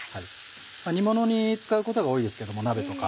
煮ものに使うことが多いですけども鍋とか。